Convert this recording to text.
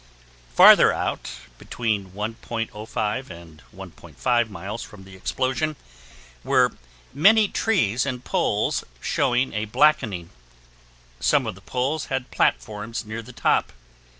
Farther out, between 1.05 and 1.5 miles from the explosion, were many trees and poles showing a blackening. Some of the poles had platforms near the top.